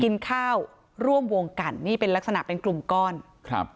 กินข้าวร่วมวงกันนี่เป็นลักษณะเป็นกลุ่มก้อนครับ